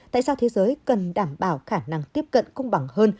tại sao thế giới cần đảm bảo khả năng tiếp cận công bằng hơn